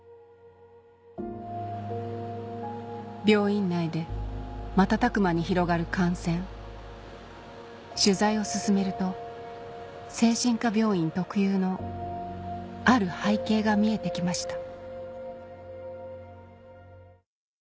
病院内で瞬く間に広がる感染取材を進めると精神科病院特有のある背景が見えて来ました